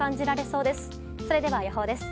それでは、予報です。